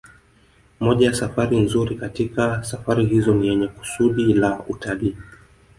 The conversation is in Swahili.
Moja ya safari nzuri katika safari hizo ni yenye kusudi la utalii